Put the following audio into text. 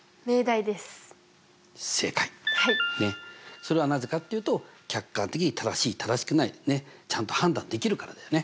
それはなぜかっていうと客観的に正しい正しくないちゃんと判断できるからだよね。